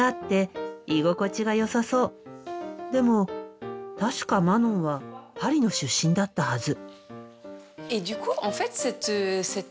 でも確かマノンはパリの出身だったはず。